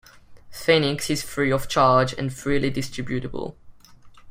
Phoenix is free of charge and freely distributable.